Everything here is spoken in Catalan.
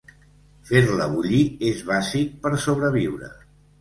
Fer-la bullir és bàsic per sobreviure.